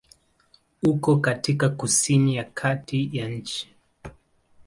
Uko katika kusini ya kati ya nchi.